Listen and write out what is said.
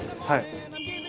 はい。